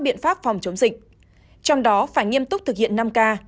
biện pháp phòng chống dịch trong đó phải nghiêm túc thực hiện năm k